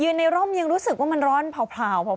ยืนในร่มมันยังรู้สึกว่ามันเผาร้อนเผา